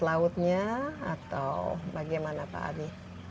lautnya atau bagaimana pak adi